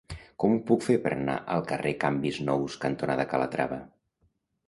Com ho puc fer per anar al carrer Canvis Nous cantonada Calatrava?